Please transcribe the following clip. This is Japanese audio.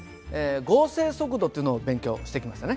合成速度というのを勉強してきましたね。